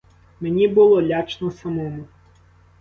Мені було лячно самому.